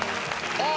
ああ！